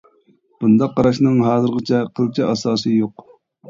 بۇنداق قاراشنىڭ ھازىرغىچە قىلچە ئاساسى يوق.